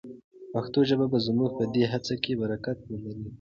پښتو ژبه به زموږ په دې هڅه کې برکت ولري.